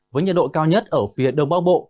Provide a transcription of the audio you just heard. với nhiệt độ cao nhất ở phía đông bắc bộ